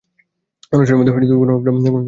অনশনের মধ্যে কোনো-না-কোনো ব্রত নিহিত থাকে।